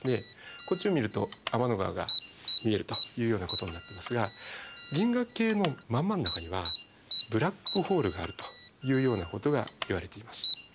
こっちを見ると天の川が見えるというようなことになってますが銀河系の真ん真ん中にはブラックホールがあるというようなことがいわれています。